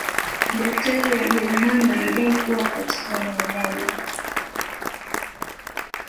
Madaktari Wajerumani walidai kuwa katika eneo moja